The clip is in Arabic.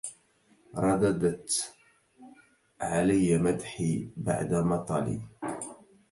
رددت علي مدحي بعد مطل